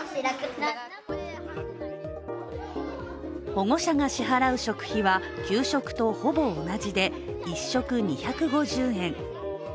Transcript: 保護者が支払う食費は給食とほぼ同じで１食２５０円。